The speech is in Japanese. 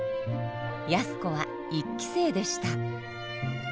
靖子は１期生でした。